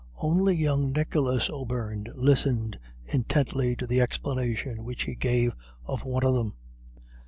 Only young Nicholas O'Beirne listened intently to the explanation which he gave of one of them.